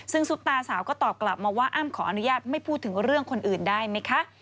ซึ่งซุปตาสาวก็ตอบกลับมาว่าอ้ำขออนุญาตไม่พูดถึงเรื่องคนอื่นได้ไหมคะ